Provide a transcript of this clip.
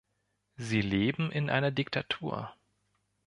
Sie leben in einer Diktatur.